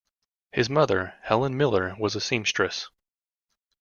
His mother, Helen Miller, was a seamstress.